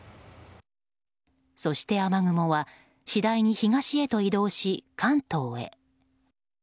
そして、雨雲は次第に東へと移動し関東へ。